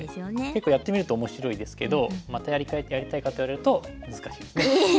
結構やってみると面白いですけどまたやりたいかと言われると難しいですね。